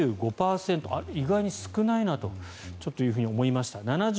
意外に少ないなと思いました。